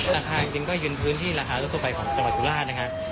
ราคาจริงก็ยืนพื้นที่ราคาทั่วไปของจังหวัดสุราชนะคะ